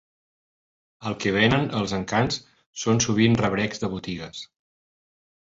El que venen als encants són sovint rebrecs de botigues.